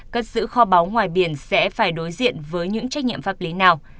cất giữ kho báu ngoài biển sẽ phải đối diện với những trách nhiệm pháp lý nào